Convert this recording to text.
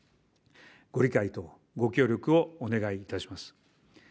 ご理解とご協力をお願いいたします。